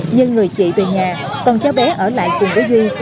nhưng người chị về nhà còn cháu bé ở lại cùng với duy